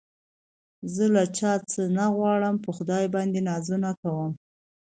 زه له چا څه نه غواړم په خدای باندې نازونه کوم